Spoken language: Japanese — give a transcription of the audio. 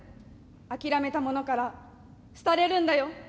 諦めたものから廃れるんだよ。